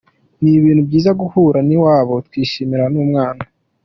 Ni ibintu byiza guhura n’iwabo twishimira n’umwana.